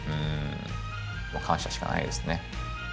感謝しかないですね。